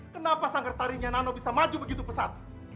kenapa sangkertarinya nano bisa maju begitu pesat